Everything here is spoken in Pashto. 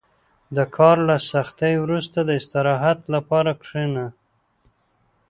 • د کار له سختۍ وروسته، د استراحت لپاره کښېنه.